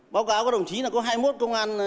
báo cáo của đồng chí là có hai mươi một công an